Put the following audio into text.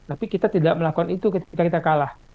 tapi kita tidak melakukan itu ketika kita kalah